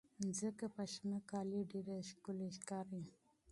مځکه په شنه کالي کې ډېره ښکلې ښکاري.